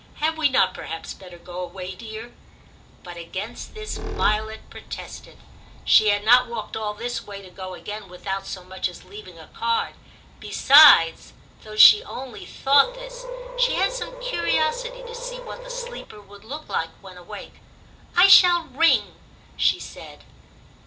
* Had we not perhaps better go away, dear ?' But against this Violet protested ; she had not walked all this way, to go again without so much as leaving a card ; besides (though she only thought this), she had some curiosity to see what the sleeper would look like when awake. * I shall ring,' she said.